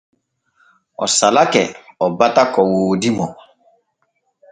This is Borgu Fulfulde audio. O salake o bata ko woodi mo.